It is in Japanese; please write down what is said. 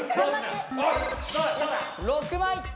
⁉６枚！